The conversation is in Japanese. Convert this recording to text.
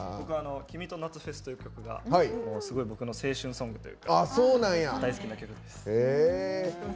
「君と夏フェス」というのが青春ソングというか大好きな曲です。